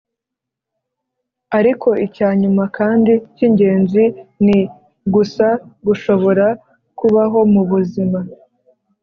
ariko, icyanyuma kandi cyingenzi ni, gusa, gushobora kubaho mubuzima.